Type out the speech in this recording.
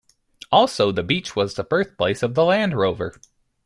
Also the beach was the birthplace of the Land Rover.